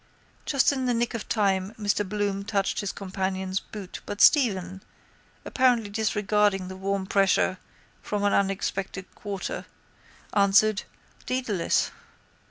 Just in the nick of time Mr Bloom touched his companion's boot but Stephen, apparently disregarding the warm pressure from an unexpected quarter, answered: —Dedalus.